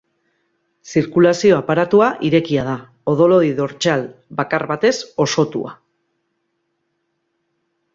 Zirkulazio-aparatua irekia da, odol-hodi dortsal bakar batez osotua.